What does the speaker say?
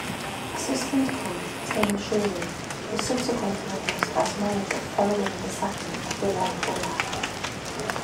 Assistant coach Tim Sherwood was subsequently announced as manager following the sacking of Villas-Boas.